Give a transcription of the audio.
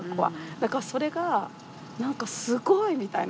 だからそれが何か「すごい！」みたいな。